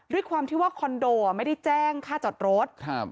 ด้วยความที่ว่าคอนโดไม่ได้แจ้งค่าจอดรถ